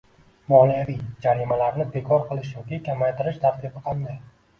moliyaviy jarimalarni bekor qilish yoki kamaytirish tartibi qanday?